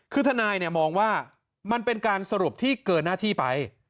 คือทนายมองว่ามันเป็นการสรุปที่เกินหน้าที่ไป